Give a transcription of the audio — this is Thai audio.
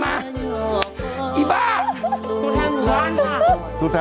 ท้ายรัสเตอร์